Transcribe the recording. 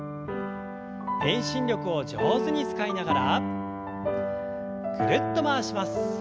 遠心力を上手に使いながらぐるっと回します。